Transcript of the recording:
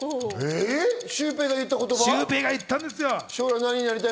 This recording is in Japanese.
シュウペイが言ったんですよ。